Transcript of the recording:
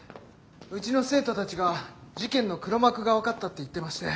うちの生徒たちが事件の黒幕が分かったって言ってまして。